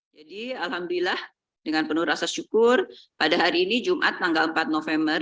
jadi alhamdulillah dengan penuh rasa syukur pada hari ini jumat tanggal empat november